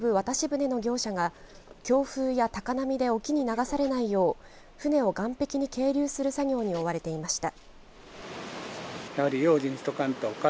けさから釣り客を運ぶ渡し船の業者が強風や高波で沖に流されないよう船を岸壁に係留する作業に追われていました。